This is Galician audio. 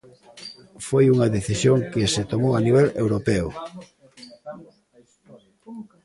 Foi unha decisión que se tomou a nivel europeo.